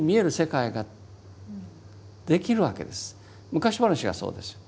昔話がそうです。